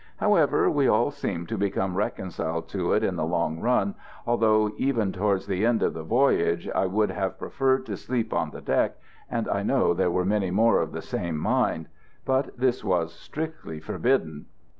However, we all seemed to become reconciled to it in the long run, although, even towards the end of the voyage, I would have preferred to sleep on the deck, and I know there were many more of the same mind; but this was strictly forbidden.